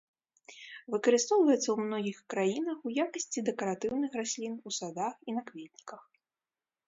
Выкарыстоўваецца ў многіх краінах у якасці дэкаратыўных раслін у садах і на кветніках.